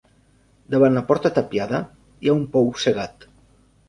Davant la porta tapiada hi ha un pou cegat.